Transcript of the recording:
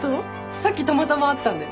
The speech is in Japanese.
さっきたまたま会ったんだよ。